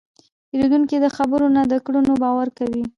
پیرودونکی د خبرو نه، د کړنو باور کوي.